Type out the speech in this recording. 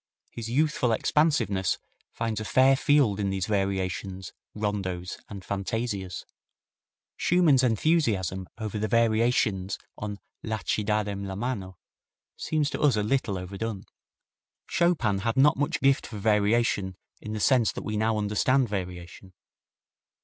His youthful expansiveness finds a fair field in these variations, rondos and fantasias. Schumann's enthusiasm over the variations on "La ci darem la mano" seems to us a little overdone. Chopin had not much gift for variation in the sense that we now understand variation.